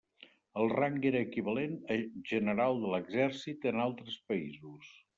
El rang era equivalent a General de l'Exèrcit en altres països.